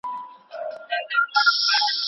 ایا ته غواړې چې د سوات د سیندونو د شور په اړه واورې؟